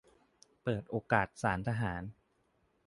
- เปิดโอกาสศาลทหาร